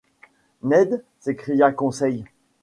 Ned ! s’écria Conseil.